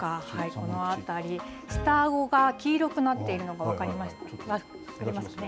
この辺り、下あごが黄色くなっているのが分かりますかね。